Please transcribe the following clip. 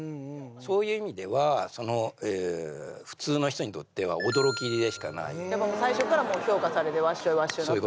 そういう意味では普通の人にとっては驚きでしかないやっぱ最初からもう評価されてわっしょいわっしょい